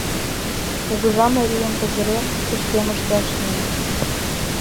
Кугыжа марийым пызырен, пычкемышыште ашнен.